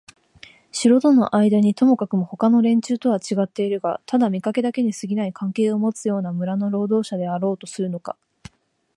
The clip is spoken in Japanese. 城とのあいだにともかくもほかの連中とはちがってはいるがただ見かけだけにすぎない関係をもつような村の労働者であろうとするのか、